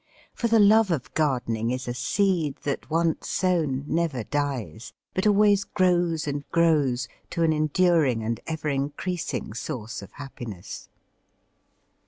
For the love of gardening is a seed that once sown never dies, but always grows and grows to an enduring and ever increasing source of happiness.